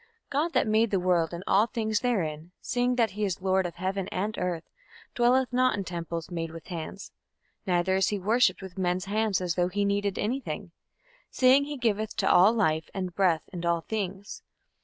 God that made the world and all things therein, seeing that he is Lord of heaven and earth, dwelleth not in temples made with hands; neither is worshipped with men's hands as though he needed any thing, seeing he giveth to all life, and breath, and all things